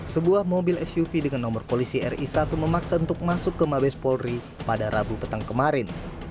sebuah mobil suv dengan nomor polisi ri satu memaksa untuk masuk ke mabes polri pada rabu petang kemarin